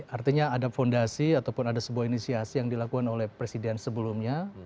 artinya ada fondasi ataupun ada sebuah inisiasi yang dilakukan oleh presiden sebelumnya